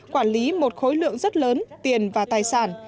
quản lý một khối lượng rất lớn tiền và tài sản